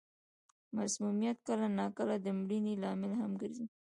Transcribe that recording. مسمومیت کله نا کله د مړینې لامل هم ګرځي.